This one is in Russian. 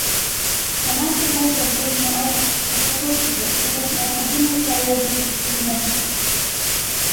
Она установит загруженный образ: распакует его, создаст необходимую файловую структуру на диске